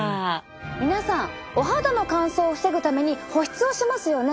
皆さんお肌の乾燥を防ぐために保湿をしますよね。